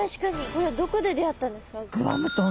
これはどこで出会ったんですか？